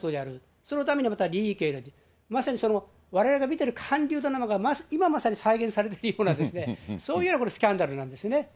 そのためにはまた、まさにわれわれが見てる韓流ドラマが今まさに再現されているような、そういうふうなスキャンダルなんですね。